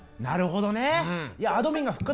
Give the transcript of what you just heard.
なるほどね！